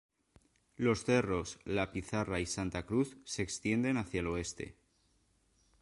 Los cerros La Pizarra y Santa Cruz se extienden hacia el oeste.